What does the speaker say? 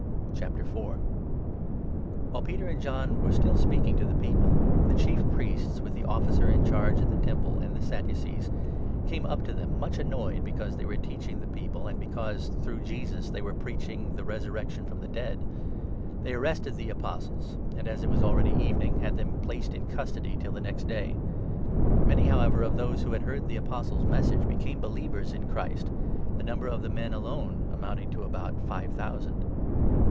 Peter and While Peter and John were still speaking to i « John before the people, the Chief Priests, with the Officer in the council, charge at the Temple and the Sadducees, came up to them, much annoyed because they were teaching the 2 people, and because, through Jesus, they were preaching the resurrection from the dead. They arrested the Apostles and, 3 as it was already evening, had them placed in custody till the next day. Many, however, of those who had heard the Apostles' 4 Message became believers in Christ, the number of the men alone amounting to about five thousand.